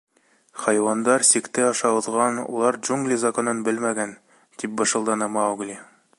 — Хайуандар сикте аша уҙған, улар Джунгли Законын белмәгән, — тип бышылданы Маугли.